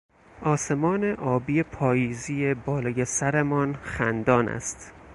آسمان آبی پاییزی بالای سرمان خندان است.